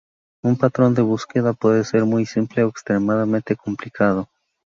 Un patrón de búsqueda puede ser muy simple o extremadamente complicado.